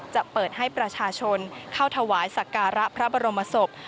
จะเปิดให้ประชาชนเข้าถวายสักการะพระบรมศพ